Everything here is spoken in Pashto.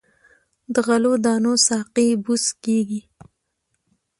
د غلو دانو ساقې بوس کیږي.